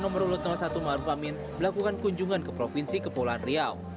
nomor satu maruf amin melakukan kunjungan ke provinsi kepulauan riau